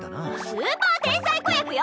スーパー天才子役よ！